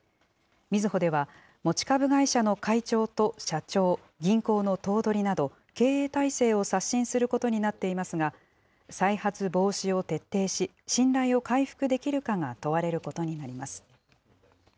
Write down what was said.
みずほでは、持ち株会社の会長と社長、銀行の頭取など、経営体制を刷新することになっていますが、再発防止を徹底し、信頼を回復できるかが問われることになります。